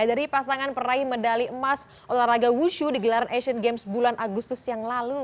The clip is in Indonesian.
dari pasangan peraih medali emas olahraga wushu di gelaran asian games bulan agustus yang lalu